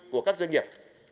của các doanh nghiệp